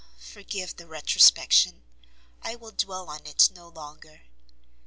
forgive the retrospection, I will dwell on it no longer.